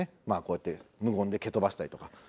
まあこうやって無言で蹴飛ばしたりとか。